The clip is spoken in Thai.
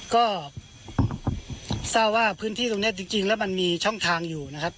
ก็ทราบว่าพื้นที่ตรงนี้จริงแล้วมันมีช่องทางอยู่นะครับ